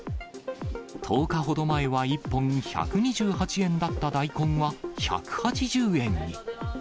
１０日ほど前は１本１２８円だった大根が１８０円に。